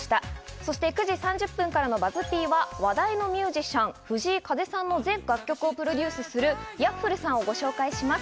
そして９時３０分のＢＵＺＺ−Ｐは話題のミュージシャン、藤井風さんの全楽曲をプロデュースするＹａｆｆｌｅさんをご紹介します。